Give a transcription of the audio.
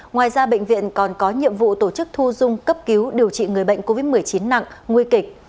ngoài ra bệnh viện còn có nhiệm vụ tổ chức thu dung cấp cứu điều trị người bệnh covid một mươi chín nặng nguy kịch